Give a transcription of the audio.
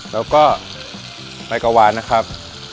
แล้วก็ไปกะวานนะครับ